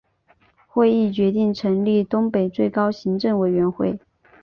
会议决定成立东北最高行政委员会。